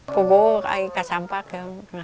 pobok ikat sampah kem ngaram weh gitu